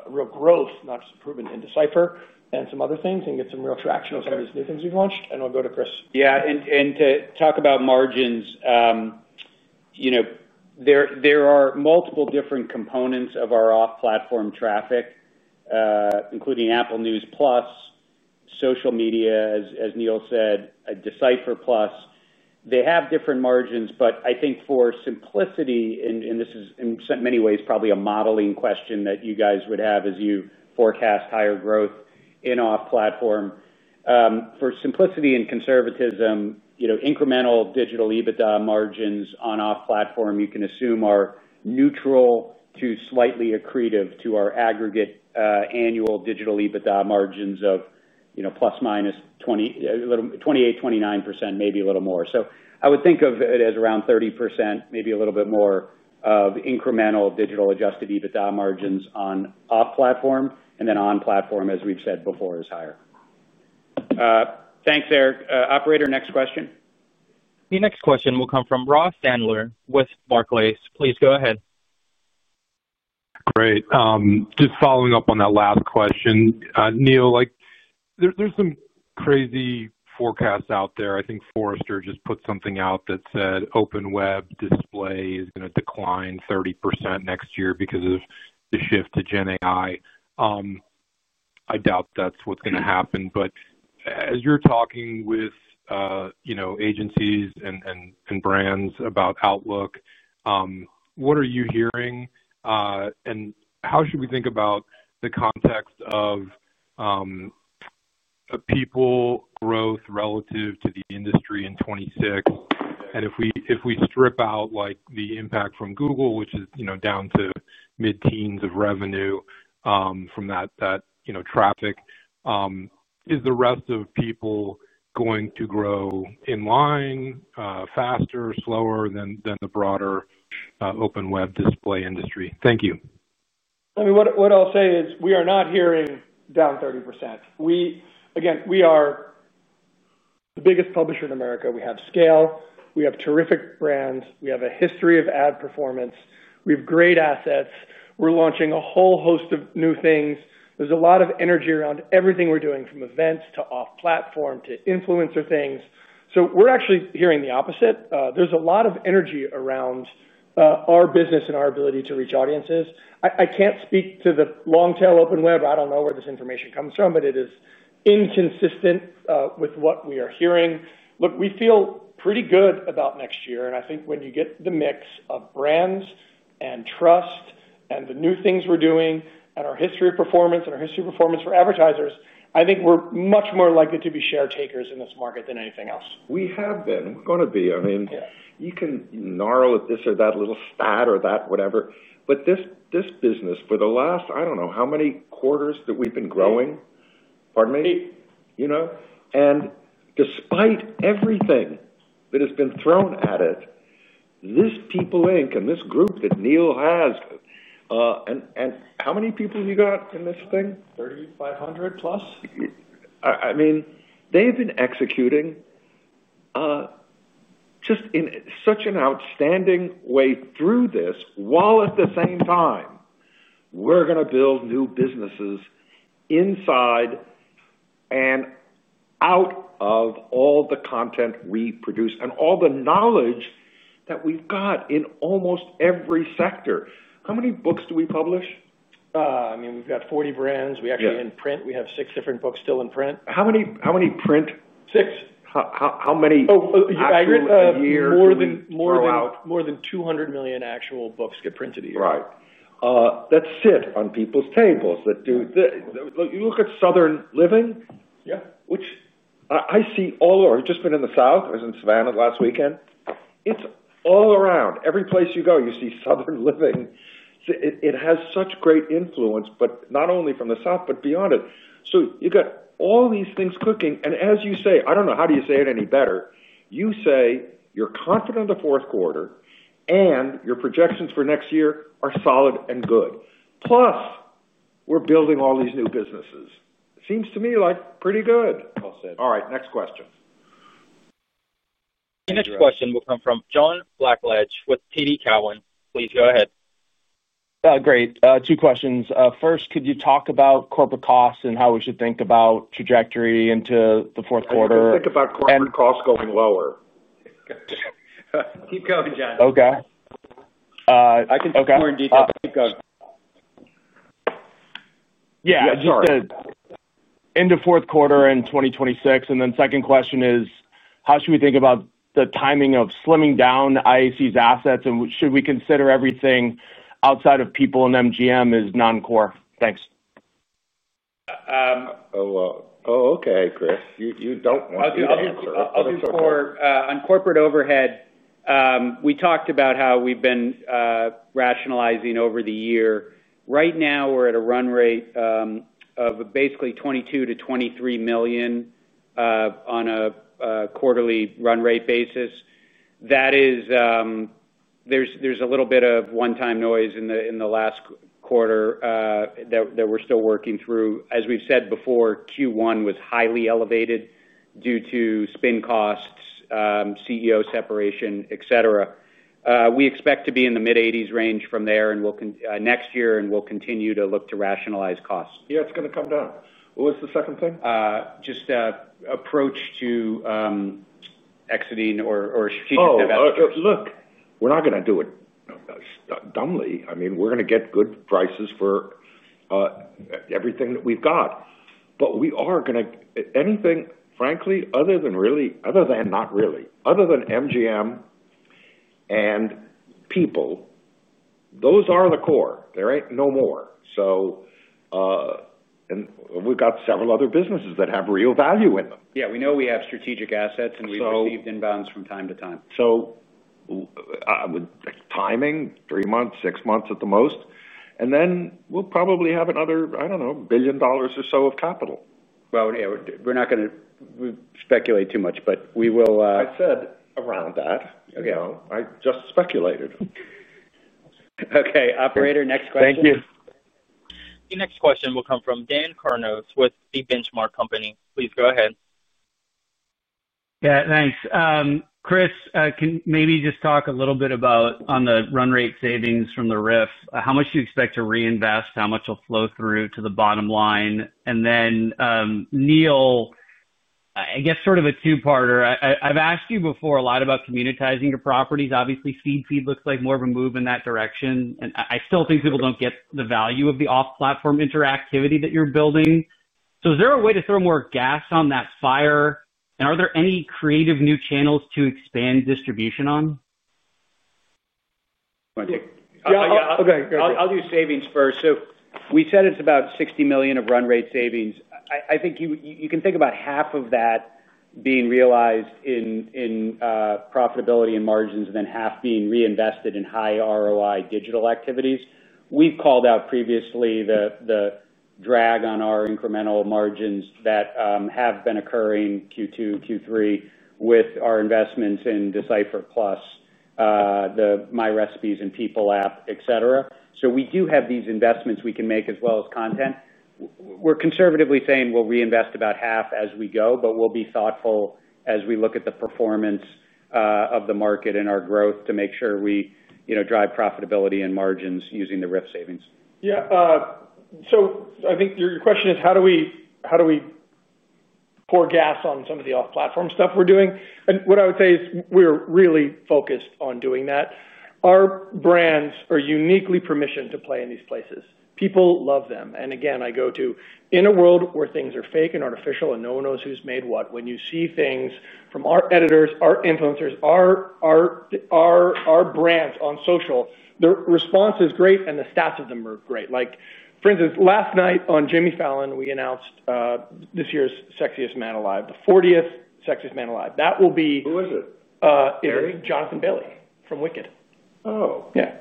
real growth, not just improvement in D/Cipher and some other things and get some real traction on some of these new things we've launched. And I'll go to Chris. Yeah. And to talk about margins. There are multiple different components of our off-platform traffic. Including Apple News+. Social media, as Neil said, D/Cipher+. They have different margins, but I think for simplicity, and this is in many ways probably a modeling question that you guys would have as you forecast higher growth in off-platform. For simplicity and conservatism, incremental digital EBITDA margins on off-platform, you can assume are neutral to slightly accretive to our aggregate annual digital EBITDA margins of plus-minus 28%-29%, maybe a little more. So I would think of it as around 30%, maybe a little bit more of incremental digital adjusted EBITDA margins on off-platform, and then on-platform, as we've said before, is higher. Thanks, Eric. Operator, next question. The next question will come from Ross Sandler with Barclays. Please go ahead. Great. Just following up on that last question, Neil. There's some crazy forecasts out there. I think Forrester just put something out that said Open Web Display is going to decline 30% next year because of the shift to GenAI. I doubt that's what's going to happen. But as you're talking with agencies and brands about outlook, what are you hearing? And how should we think about the context of People growth relative to the industry in 2026? And if we strip out the impact from Google, which is down to mid-teens of revenue from that traffic, is the rest of People going to grow in line, faster, slower than the broader Open Web Display industry? Thank you. I mean, what I'll say is we are not hearing down 30%. Again, we are the biggest publisher in America. We have scale. We have terrific brands. We have a history of ad performance. We have great assets. We're launching a whole host of new things. There's a lot of energy around everything we're doing, from events to off-platform to influencer things. So we're actually hearing the opposite. There's a lot of energy around our business and our ability to reach audiences. I can't speak to the long-tail Open Web. I don't know where this information comes from, but it is inconsistent with what we are hearing. Look, we feel pretty good about next year. I think when you get the mix of brands and trust and the new things we're doing and our history of performance and our history of performance for advertisers, I think we're much more likely to be share takers in this market than anything else. We have been. We're going to be. I mean, you can gnaw at this or that little stat or that whatever. But this business, for the last, I don't know how many quarters that we've been growing. Pardon me? Eight. And despite everything that has been thrown at it. This People Inc. and this group that Neil has. And how many people have you got in this thing? 3,500+? I mean, they've been executing. Just in such an outstanding way through this while at the same time. We're going to build new businesses inside. And out of all the content we produce and all the knowledge that we've got in almost every sector. How many books do we publish? I mean, we've got 40 brands. We actually in print, we have six different books still in print. How many print? Six. How many? Oh, I heard more than 200 million actual books get printed a year. Right. That sit on people's tables that do. You look at Southern Living, which. I see all over. I've just been in the South. I was in Savannah last weekend. It's all around. Every place you go, you see Southern Living. It has such great influence, but not only from the South, but beyond it. So you've got all these things cooking. And as you say, I don't know how do you say it any better. You say you're confident in the fourth quarter, and your projections for next year are solid and good. Plus, we're building all these new businesses. Seems to me like pretty good. All right. Next question. The next question will come from John Blackledge with TD Cowen. Please go ahead. Great. Two questions. First, could you talk about corporate costs and how we should think about trajectory into the fourth quarter? I think about corporate costs going lower. Keep going, John. Okay. I can do more in detail. Keep going. Yeah. Sure. End of fourth quarter in 2026. And then second question is, how should we think about the timing of slimming down IAC's assets? And should we consider everything outside of People and MGM as non-core? Thanks. Oh, okay, Chris. You don't want to answer. I'll answer. On corporate overhead, we talked about how we've been. Rationalizing over the year. Right now, we're at a run rate of basically $22 million-$23 million. On a quarterly run rate basis. There's a little bit of one-time noise in the last quarter. That we're still working through. As we've said before, Q1 was highly elevated due to spin costs, CEO separation, etc. We expect to be in the mid-$80s range next year, and we'll continue to look to rationalize costs. Yeah, it's going to come down. What was the second thing? Just approach to exiting or strategic development. Oh, look, we're not going to do it dumbly. I mean, we're going to get good prices for everything that we've got. But we are going to—anything, frankly, other than really—other than not really. Other than MGM. And People. Those are the core. There ain't no more. And we've got several other businesses that have real value in them. Yeah, we know we have strategic assets, and we've received inbounds from time to time. So. Timing, three months, six months at the most. And then we'll probably have another, I don't know, $1 billion or so of capital. Well, yeah, we're not going to speculate too much, but we will. I said around that. I just speculated. Okay. Operator, next question. Thank you. The next question will come from Dan Karnos with the Benchmark Company. Please go ahead. Yeah, thanks. Chris, can maybe just talk a little bit about, on the run rate savings from the RIF, how much you expect to reinvest, how much will flow through to the bottom line? And then. Neil. I guess sort of a two-parter. I've asked you before a lot about communitizing your properties. Obviously, Feedfeed looks like more of a move in that direction. And I still think people don't get the value of the off-platform interactivity that you're building. So is there a way to throw more gas on that fire? And are there any creative new channels to expand distribution on? Okay. I'll do savings first. So we said it's about $60 million of run rate savings. I think you can think about half of that being realized in profitability and margins, and then half being reinvested in high ROI digital activities. We've called out previously the drag on our incremental margins that have been occurring Q2, Q3 with our investments in D/Cipher+, My Recipes, and People app, etc. So we do have these investments we can make as well as content. We're conservatively saying we'll reinvest about half as we go, but we'll be thoughtful as we look at the performance of the market and our growth to make sure we drive profitability and margins using the RIF savings. Yeah. So I think your question is, how do we pour gas on some of the off-platform stuff we're doing? And what I would say is we're really focused on doing that. Our brands are uniquely permissioned to play in these places. People love them. And again, I go to, in a world where things are fake and artificial and no one knows who's made what, when you see things from our editors, our influencers, our brands on social, the response is great, and the stats of them are great. For instance, last night on Jimmy Fallon, we announced this year's Sexiest Man Alive, the 40th Sexiest Man Alive. That will be. Who is it? Jonathan Bailey from Wicked. Oh. Yeah. Okay.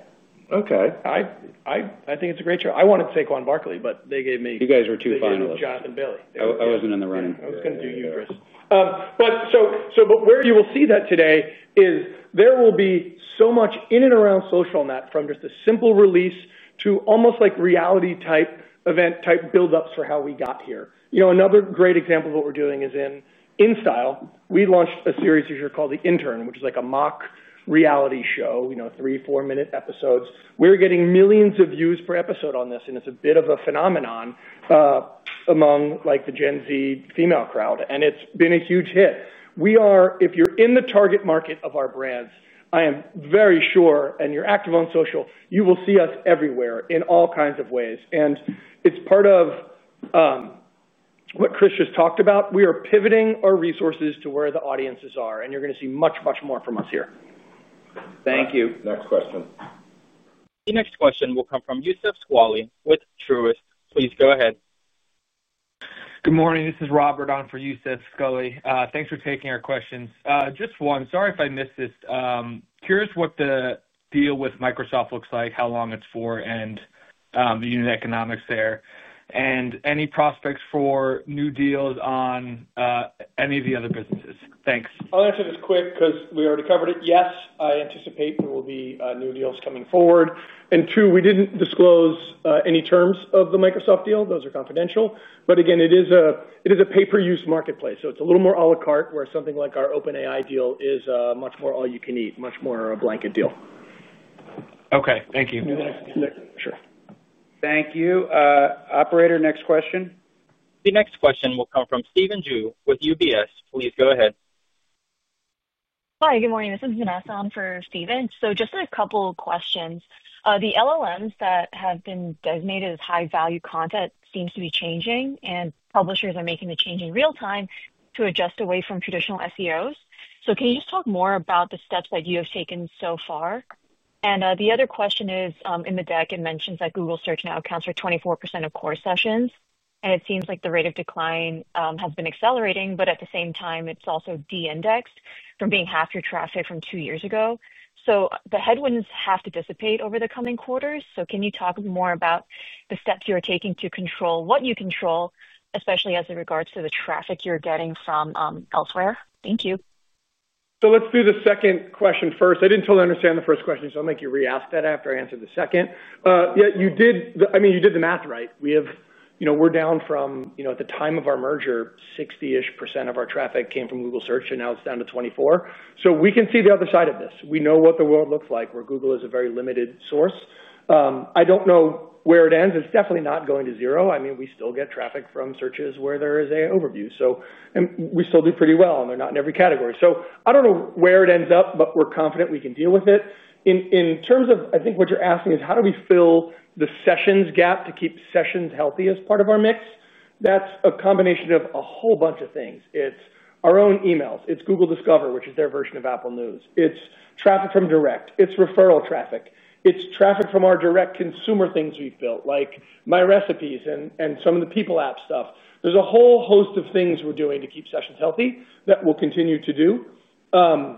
I think it's a great show. I wanted Saquon Barkley, but they gave me. You guys were too fine with them. Jonathan Bailey. I wasn't in the running. I was going to do you, Chris. But where you will see that today is there will be so much in and around social on that, from just a simple release to almost like reality-type event-type build-ups for how we got here. Another great example of what we're doing is in InStyle. We launched a series this year called The Intern, which is like a mock reality show, three, four-minute episodes. We're getting millions of views per episode on this, and it's a bit of a phenomenon among the Gen Z female crowd. And it's been a huge hit. If you're in the target market of our brands, I am very sure, and you're active on social, you will see us everywhere in all kinds of ways. And it's part of what Chris just talked about. We are pivoting our resources to where the audiences are, and you're going to see much, much more from us here. Thank you. Next question. The next question will come from Youssef Squali with Truist. Please go ahead. Good morning. This is Robert on for Youssef Squali. Thanks for taking our questions. Just one. Sorry if I missed this. Curious what the deal with Microsoft looks like, how long it's for, and the unit economics there. And any prospects for new deals on any of the other businesses? Thanks. I'll answer this quick because we already covered it. Yes, I anticipate there will be new deals coming forward. And two, we didn't disclose any terms of the Microsoft deal. Those are confidential. But again, it is a publisher content marketplace. So it's a little more à la carte where something like our OpenAI deal is much more all-you-can-eat, much more a blanket deal. Okay. Thank you. Sure. Thank you. Operator, next question. The next question will come from Steven Zhu with UBS. Please go ahead. Hi. Good morning. This is Vanessa on for Steven. So just a couple of questions. The LLMs that have been designated as high-value content seem to be changing, and publishers are making the change in real time to adjust away from traditional SEOs. So can you just talk more about the steps that you have taken so far? And the other question is, in the deck, it mentions that Google Search now accounts for 24% of core sessions. And it seems like the rate of decline has been accelerating, but at the same time, it's also down from being half your traffic from two years ago. So the headwinds have to dissipate over the coming quarters. So can you talk more about the steps you're taking to control what you control, especially as it regards to the traffic you're getting from elsewhere? Thank you. So let's do the second question first. I didn't totally understand the first question, so I'll make you re-ask that after I answer the second. Yeah, I mean, you did the math right. We're down from, at the time of our merger, 60%-ish of our traffic came from Google Search, and now it's down to 24%. So we can see the other side of this. We know what the world looks like, where Google is a very limited source. I don't know where it ends. It's definitely not going to zero. I mean, we still get traffic from searches where there is an overview. And we still do pretty well, and they're not in every category. So I don't know where it ends up, but we're confident we can deal with it. In terms of, I think what you're asking is, how do we fill the sessions gap to keep sessions healthy as part of our mix? That's a combination of a whole bunch of things. It's our own emails. It's Google Discover, which is their version of Apple News. It's traffic from Direct. It's referral traffic. It's traffic from our direct consumer things we've built, like My Recipes and some of the People app stuff. There's a whole host of things we're doing to keep sessions healthy that we'll continue to do. Can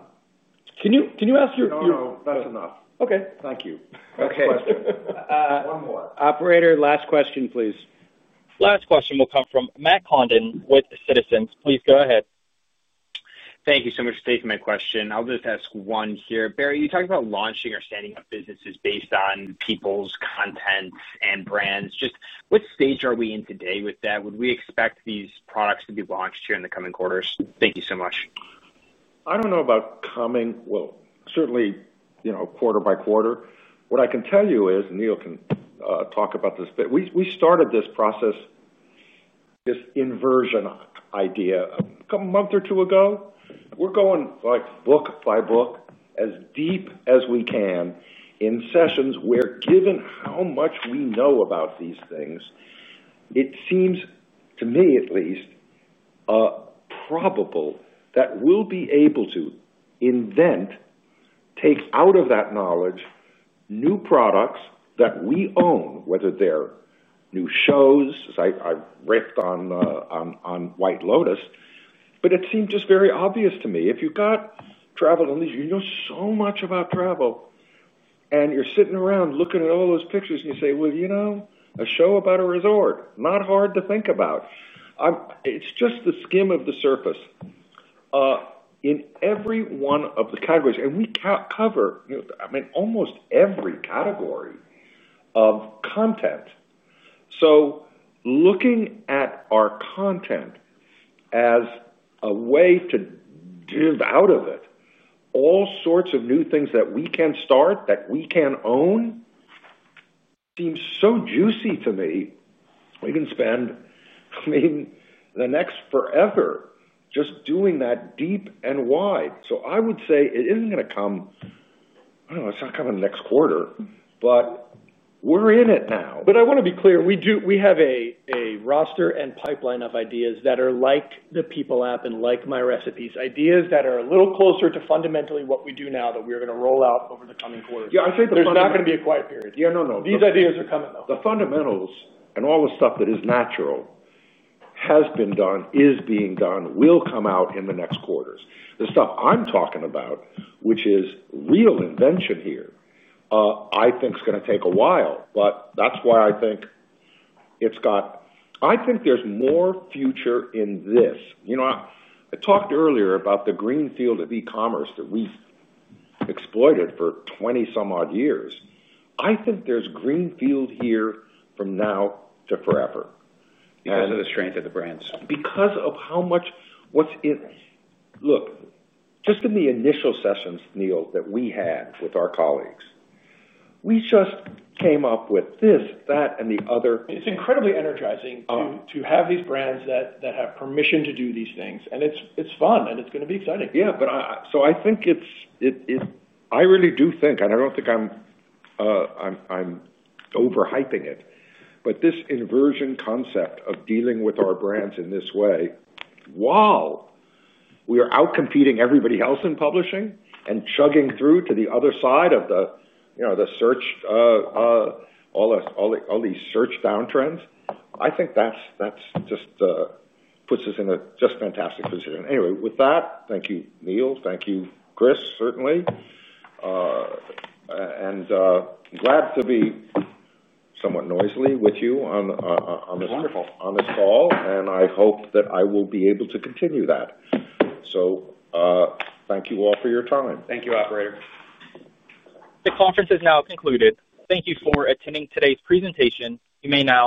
you ask your question? No, no. That's enough. Okay. Thank you. Next question. One more. Operator, last question, please. Last question will come from Matt Condon with Citizens. Please go ahead. Thank you so much for taking my question. I'll just ask one here. Barry, you talked about launching or standing up businesses based on people's content and brands. Just what stage are we in today with that? Would we expect these products to be launched here in the coming quarters? Thank you so much. I don't know about coming, well, certainly. Quarter by quarter. What I can tell you is, and Neil can talk about this, but we started this process. This inversion idea a month or two ago. We're going book by book as deep as we can in sessions where, given how much we know about these things, it seems to me, at least. Probable that we'll be able to. Invent. Take out of that knowledge new products that we own, whether they're new shows, as I riffed on. White Lotus. But it seemed just very obvious to me. If you've got travel on these, you know so much about travel. And you're sitting around looking at all those pictures, and you say, "Well, you know, a show about a resort. Not hard to think about." It's just the skim of the surface. In every one of the categories. And we cover, I mean, almost every category of content. So looking at our content as a way to. Dive out of it. All sorts of new things that we can start, that we can own, seems so juicy to me. We can spend, I mean, the next forever just doing that deep and wide. So I would say it isn't going to come. I don't know. It's not coming next quarter, but we're in it now. But I want to be clear. We have a roster and pipeline of ideas that are like the People app and like My Recipes. Ideas that are a little closer to fundamentally what we do now that we're going to roll out over the coming quarter. Yeah, I say the fundamentals. There's not going to be a quiet period. Yeah, no, no. These ideas are coming, though. The fundamentals and all the stuff that is natural has been done, is being done, will come out in the next quarters. The stuff I'm talking about, which is real invention here. I think it's going to take a while, but that's why I think. It's got. I think there's more future in this. I talked earlier about the greenfield of e-commerce that we've exploited for 20-some-odd years. I think there's greenfield here from now to forever. Because of the strength of the brands. Because of how much, what's in, look, just in the initial sessions, Neil, that we had with our colleagues, we just came up with this, that, and the other. It's incredibly energizing to have these brands that have permission to do these things. And it's fun, and it's going to be exciting. Yeah, but so I think it's. I really do think, and I don't think I'm overhyping it, but this inversion concept of dealing with our brands in this way. While we are outcompeting everybody else in publishing and chugging through to the other side of the search. All these search downtrends, I think that just puts us in a just fantastic position. Anyway, with that, thank you, Neil. Thank you, Chris, certainly. And glad to be somewhat noisily with you on this call. And I hope that I will be able to continue that. So thank you all for your time. Thank you, Operator. The conference is now concluded. Thank you for attending today's presentation. You may now.